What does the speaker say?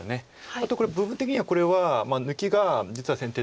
あとこれ部分的にはこれは抜きが実は先手で。